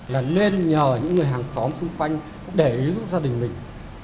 là nên nhờ những người hàng xóm xung quanh để ý giúp gia đình mình